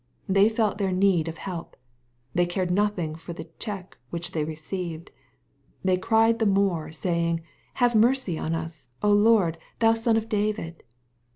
They felt their need of help. They cared nothing for the check which they received. " They cried the more, saying. Have mercy on us, O Lord, thou Son of David."